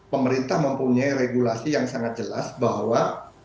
pemerintah mempunyai regulasi yang sangat jelas bahwa